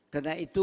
karena itu pak